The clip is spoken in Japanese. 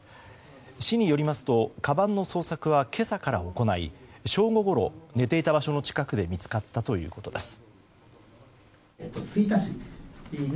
市によりますとかばんの捜索は今朝から行い正午ごろ、寝ていた場所の近くで見つかったということです。